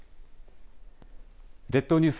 列島ニュース